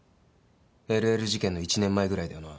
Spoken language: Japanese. ＬＬ事件の１年前ぐらいだよな？